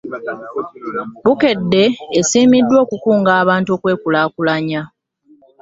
Bukedde esiimiiddwa okukunga abantu okwekulakulannya.